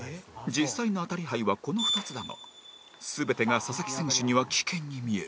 実際の当たり牌はこの２つだが全てが佐々木選手には危険に見える